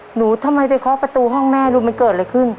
หนูทำไมไปเคาะประตูห้องแม่ดูมันเกิดอะไรขึ้น